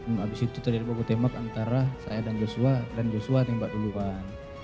habis itu terjadi baku tembak antara saya dan joshua dan joshua tembak duluan